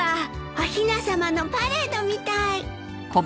おひなさまのパレードみたい。